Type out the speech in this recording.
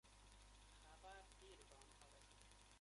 خبر دیر به آنها رسید.